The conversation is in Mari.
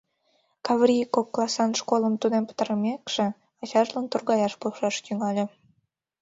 Каврий, кок классан школым тунем пытарымекше, ачажлан торгаяш полшаш тӱҥале.